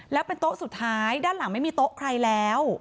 แล้วเป็นโต๊ะสุดท้ายด้านหลังไม่มีโต๊ะใครแล้ว